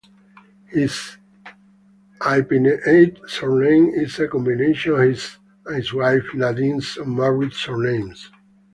His hyphenated surname is a combination of his and his wife Nadine's unmarried surnames.